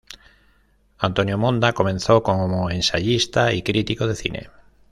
Antonio Monda comenzó como ensayista y crítico de cine.